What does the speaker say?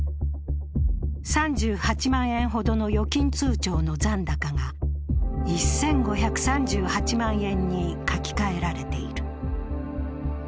３８万円ほどの預金通帳の残高が１５３８万円に書き換えられている。